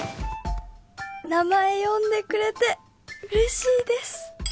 「名前呼んでくれてうれしいです」。